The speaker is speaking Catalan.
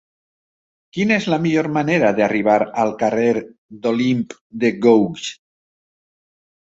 Quina és la millor manera d'arribar al carrer d'Olympe de Gouges?